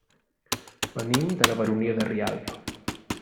Venim de la Baronia de Rialb.